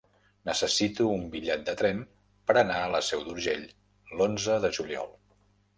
Necessito un bitllet de tren per anar a la Seu d'Urgell l'onze de juliol.